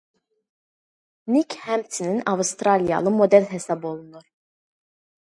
Nik həmçinin avstraliyalı model hesab olunur.